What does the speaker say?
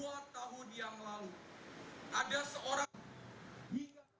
dua tahun yang lalu ada seorang